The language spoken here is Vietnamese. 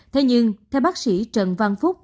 thế nhưng theo bác sĩ trần văn phúc